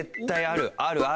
ある。